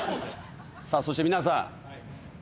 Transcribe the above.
さぁそして皆さん。